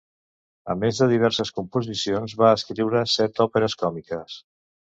A més de diverses composicions, va escriure set òperes còmiques.